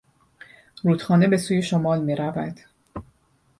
رودخانه به سوی شمال میرود.